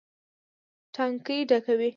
ټانکۍ ډکوي.